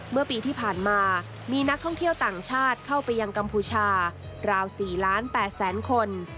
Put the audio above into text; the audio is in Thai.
เมื่อปีที่ผ่านมามีนักท่องเที่ยวต่างชาติเข้าไปยังกัมพูชาราว๔๘๐๐๐คน